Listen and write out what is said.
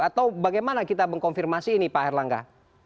atau bagaimana kita mengkonfirmasi ini pak erlangga